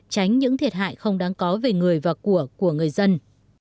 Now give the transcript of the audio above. tránh những thiệt hại không đáng có về người và của người dân